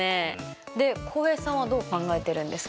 で浩平さんはどう考えてるんですか？